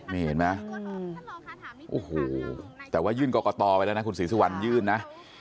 นี่เห็นไหมโอ้โหแต่ว่ายื่นกรกตไปแล้วนะคุณศรีสุวรรณยื่นนะ